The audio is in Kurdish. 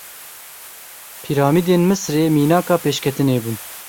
Piramîdên Misrê mînaka pêşketinê bûn.